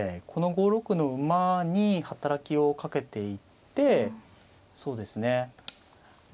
この５六の馬に働きをかけていってそうですね